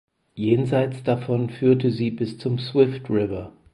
Jenseits davon führte sie bis zum Swift River.